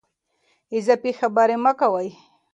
اضافي خبرې مه کوئ.